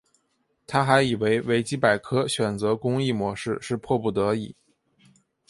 他还认为维基百科选择公益模式是迫不得已。